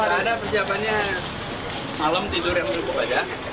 ada persiapannya malam tidur yang cukup aja